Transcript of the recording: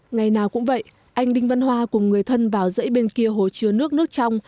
ngày nào cũng vậy anh đinh văn hoa cùng người thân vào dãy bên kia hồ chứa nước nước trong